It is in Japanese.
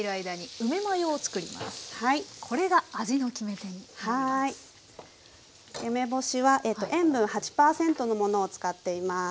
梅干しは塩分８％のものを使っています。